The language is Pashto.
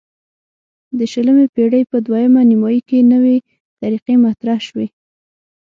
د شلمې پیړۍ په دویمه نیمایي کې نوې طریقې مطرح شوې.